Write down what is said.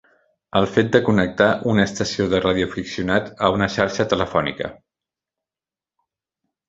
El fet de connectar una estació de radioaficionat a una xarxa telefònica.